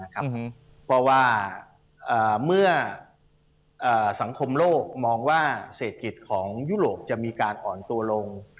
เพราะว่าเมื่อสังคมโลกมองว่าเศรษฐกิจของยุโรปจะมีการอ่อนตัวลง